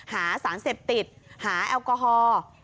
หาสารเสพติดหาแอลกอฮอล์